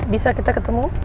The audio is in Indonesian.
bisa kita ketemu